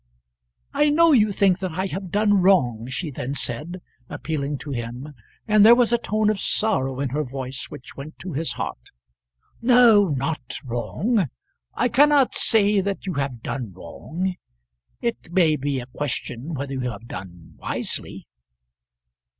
"I know you think that I have done wrong," she then said, appealing to him; and there was a tone of sorrow in her voice which went to his heart. "No, not wrong; I cannot say that you have done wrong. It may be a question whether you have done wisely."